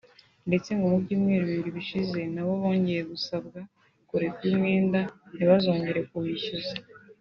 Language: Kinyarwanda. ndetse ngo mu byumweru bibiri bishize nabo bongeye gusabwa kureka uyu mwenda ntibazongere kuwishyuza